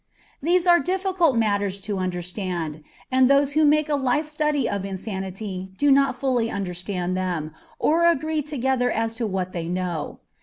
These are difficult matters to understand, and those who make a life study of insanity do not fully understand them, or agree together as to what they know.